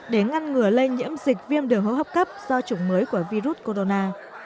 để ngăn ngừa lây nhiễm dịch viêm đường hô hấp cấp do chủng mới của virus corona